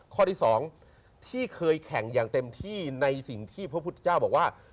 ข้อที่๒ที่เคยแข่งอย่างเต็มที่ในสิ่งที่พระพุทธเจ้าบอกว่า